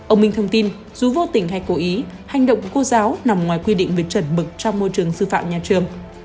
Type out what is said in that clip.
ông minh thông tin dù vô tình hay cố ý hành động của cô giáo nằm ngoài quy định về chuẩn mực trong môi trường sư phạm nhà trường